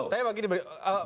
tapi begini pak riza